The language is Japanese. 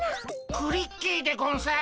クリッキーでゴンス。